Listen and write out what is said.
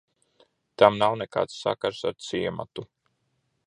Tam nav nekāds sakars ar ciematu.